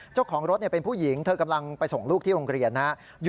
เจ้าของรถเป็นผู้หญิงเธอกำลังไปส่งลูกที่โรงเรียนนะครับ